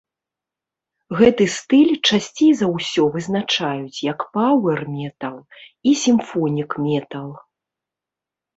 Гэты стыль часцей за ўсё вызначаюць як паўэр-метал і сімфонік-метал.